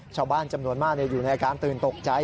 ชาวบ้านจำนวนมากอยู่ในอาการตื่นตกใจ